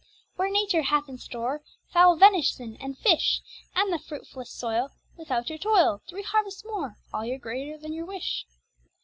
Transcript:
Where nature hath in store Fowl, venison, and fish, And the fruitful'st soil, Without your toil, Three harvests more, All greater than your wish.